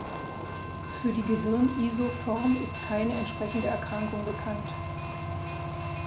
Für die Gehirn-Isoform ist keine entsprechende Erkrankung bekannt.